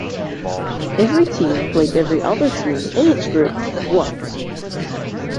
Each team played every other team in its group once.